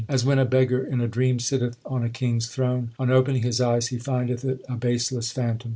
As when a beggar in a dream sitteth on a king s throne, On opening his eyes he findeth it a baseless phantom.